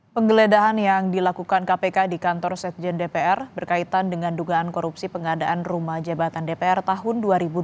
penggeledahan yang dilakukan kpk di kantor sekjen dpr berkaitan dengan dugaan korupsi pengadaan rumah jabatan dpr tahun dua ribu dua puluh